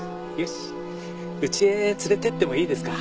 うちへ連れてってもいいですか？